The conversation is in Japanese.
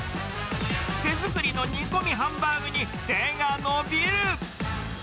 手作りの煮込みハンバーグに手が伸びる。